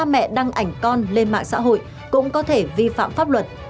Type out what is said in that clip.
những việc đăng ảnh con lên mạng xã hội cũng có thể vi phạm pháp luật